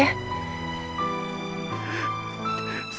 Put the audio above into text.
mas robi tetap semangat ya